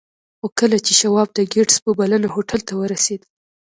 خو کله چې شواب د ګیټس په بلنه هوټل ته ورسېد